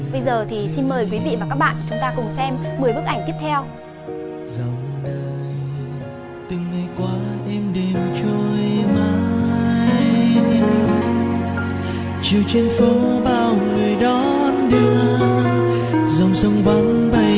bây giờ thì xin mời quý vị và các bạn